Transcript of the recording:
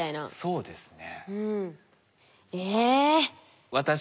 そうですね。